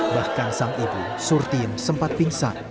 bahkan sang ibu surtin sempat pingsan